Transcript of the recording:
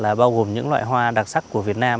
là bao gồm những loại hoa đặc sắc của việt nam